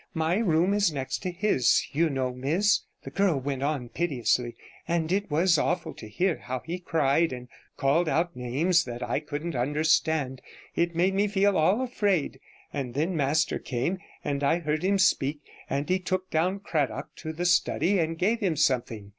My room is next to his, you know, miss,' the girl went on piteously, 'and it was awful to hear how he cried and called out names that I couldn't understand. It made me feel all afraid; and then master came, and I heard him speak, and he took down Cradock to the study and gave him something.'